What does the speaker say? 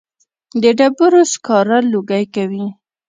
د ډبرو سکاره لوګی کوي